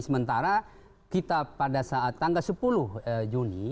sementara kita pada saat tanggal sepuluh juni